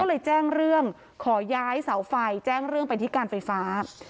ก็เลยแจ้งเรื่องขอย้ายเสาไฟแจ้งเรื่องไปที่การไฟฟ้า